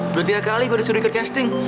udah tiga kali gue disuruh ikut casting